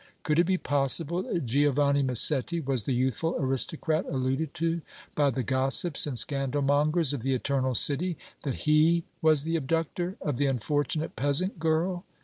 Could it be possible that Giovanni Massetti was the youthful aristocrat alluded to by the gossips and scandalmongers of the Eternal City that he was the abductor of the unfortunate peasant girl?